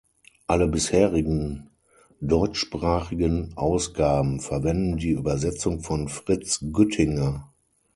Alle bisherigen deutschsprachigen Ausgaben verwenden die Übersetzung von Fritz Güttinger.